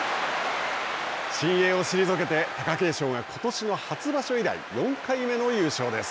新鋭を退けて貴景勝がことしの初場所以来、４回目の優勝です。